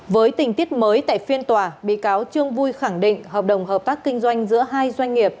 với tình tiết mới tại phiên tòa bị cáo trương vui khẳng định hợp đồng hợp tác kinh doanh giữa hai doanh nghiệp